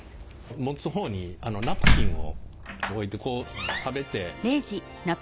持つ方にナプキンを置いてこう食べてこっちで拭いて。